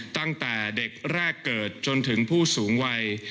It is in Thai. ตั้งแต่เด็กแรกเกิดจนถึงผู้สูงวัย